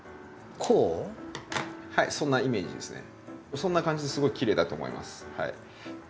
そんな感じですごいきれいだと思います。